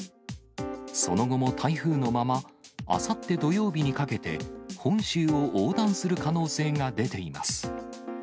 その後も台風のまま、あさって土曜日にかけて、本州を横断する可能性が出ています。